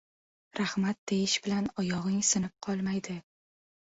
• “Rahmat” deyish bilan oyog‘ing sinib qolmaydi.